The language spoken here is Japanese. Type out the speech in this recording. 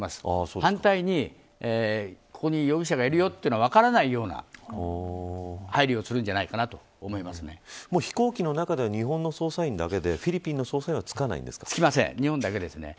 反対に、ここに容疑者がいるというのが分からないような配慮をするんじゃないかな飛行機の中では日本の捜査員だけでフィリピンの捜査員はつきません、日本だけですね。